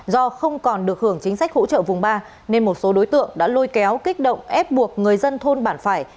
do không còn được hưởng chính sách hỗ trợ vùng ba nên một số đối tượng đã lôi kéo kích động ép buộc người dân thôn bản phải